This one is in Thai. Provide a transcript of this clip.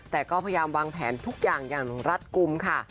แต่ก็พยายามวางแผนทุกอย่างอย่างรัฐกลุ่มค่ะ